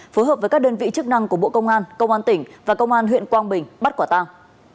phối hợp với các đơn vị chức năng của bộ công an công an tỉnh và công an huyện quang bình bắt quả tang